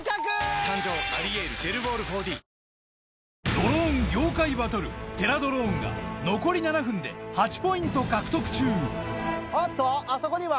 ドローン業界バトルテラドローンが残り７分で８ポイント獲得中おっとあそこには。